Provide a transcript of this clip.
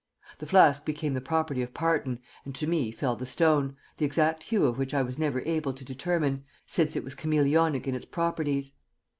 The flask became the property of Parton, and to me fell the stone, the exact hue of which I was never able to determine, since it was chameleonic in its properties.